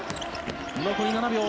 残り７秒。